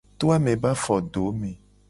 To ame be afodome.